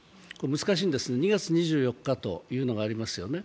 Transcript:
難しいんです、２月２４日というのがありますよね。